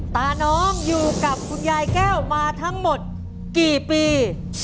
ตาน้องอยู่กับคุณยายแก้วมาทั้งหมดกี่ปี